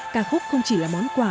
ca khúc không chỉ là món quà